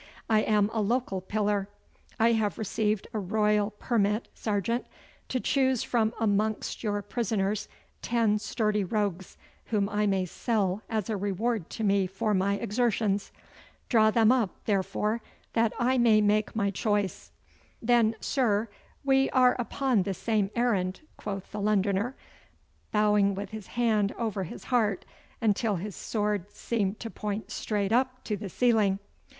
I am a local pillar. I have received a Royal permit, sergeant, to choose from amongst your prisoners ten sturdy rogues whom I may sell as a reward to me for my exertions. Draw them up, therefore, that I may make my choice!' 'Then, sir, we are upon the same errand,' quoth the Londoner, bowing with his hand over his heart, until his sword seemed to point straight up to the ceiling.